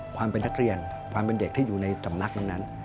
ความเป็นนักเรียนความเป็นเด็กที่อยู่ในสำนักนั้น